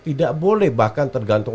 tidak boleh bahkan tergantung